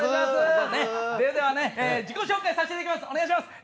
それではね自己紹介させていただきますお願いします